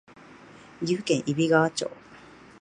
岐阜県揖斐川町